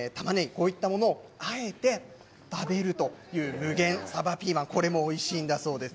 こういったものをあえて食べるという無限さばピーマンこれもおいしいんだそうです